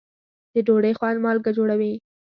د ډوډۍ خوند مالګه جوړوي.